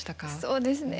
そうですね。